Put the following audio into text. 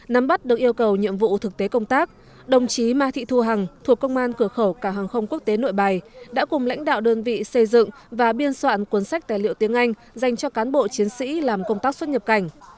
nắm bắt được yêu cầu nhiệm vụ thực tế công tác đồng chí ma thị thu hằng thuộc công an cửa khẩu cả hàng không quốc tế nội bài đã cùng lãnh đạo đơn vị xây dựng và biên soạn cuốn sách tài liệu tiếng anh dành cho cán bộ chiến sĩ làm công tác xuất nhập cảnh